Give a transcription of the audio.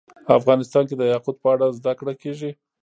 افغانستان کې د یاقوت په اړه زده کړه کېږي.